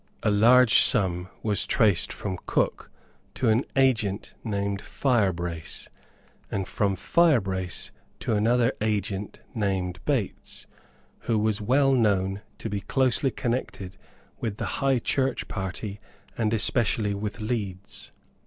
A large sum was traced from Cook to an agent named Firebrace, and from Firebrace to another agent named Bates, who was well known to be closely connected with the High Church party and especially with Leeds.